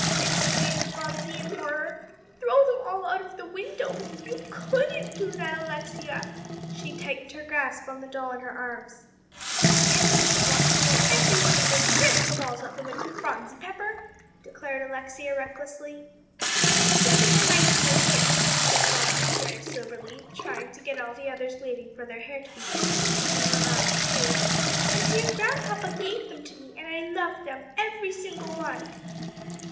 exclaimed Phronsie in horror, "throw them all out of the window! You couldn't do that, Alexia." She tightened her grasp on the doll in her arms. "Yes, I should want to throw every one of those dreadful dolls out of the window, Phronsie Pepper!" declared Alexia recklessly. "But they are my children," said Phronsie very soberly, trying to get all the others waiting for their hair to be fixed, into her arms too, "and dear Grandpapa gave them to me, and I love them, every single one."